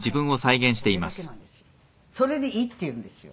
それでいいって言うんですよ。